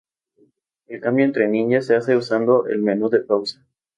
El cambio entre ninja se hace usando el menú de pausa.